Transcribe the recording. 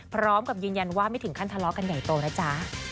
พร้อมกับยืนยันว่าไม่ถึงขั้นทะเลาะกันใหญ่โตนะจ๊ะ